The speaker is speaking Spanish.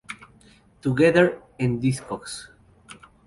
Together en Discogs